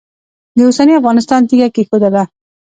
د اوسني افغانستان تیږه کښېښودله.